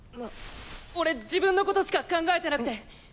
俺自分のことしか考えてなくて。